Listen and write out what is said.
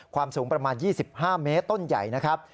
สูงประมาณ๒๕เมตรต้นใหญ่นะครับ